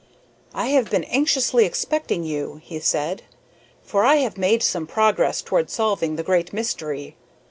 "I have been anxiously expecting you," he said, "for I have made some progress towards solving the great mystery.